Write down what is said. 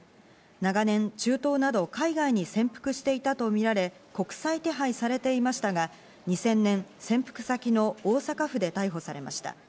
長年、中東など海外に潜伏していたとみられ、国際手配されていましたが、２０００年、潜伏先の大阪府で逮捕されました。